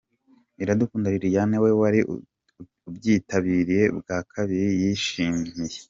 Iradukunda Liliane we wari ubyitabiriye bwa kabiri yishimiye